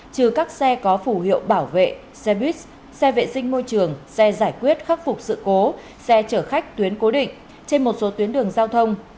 trừ các xe có phủ hiệu bảo vệ xe buýt xe vệ sinh môi trường xe giải quyết khắc phục sự cố xe chở khách tuyến cố định trên một số tuyến đường giao thông